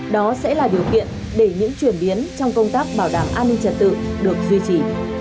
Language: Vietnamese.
đó sẽ là điều kiện để những chuyển biến trong công tác bảo đảm an ninh trật tự được duy trì